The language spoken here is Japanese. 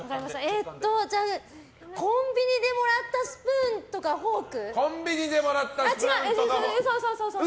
じゃあ、コンビニでもらったスプーンとかフォーク。